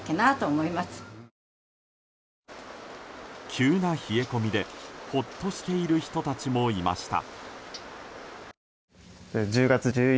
急な冷え込みでほっとしている人たちもいました。